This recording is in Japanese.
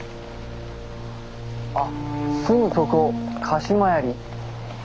あっすぐそこ鹿島槍。